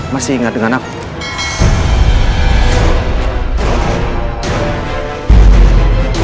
masih ingat dengan aku